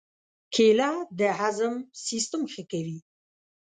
کېله د هضم سیستم ښه کوي.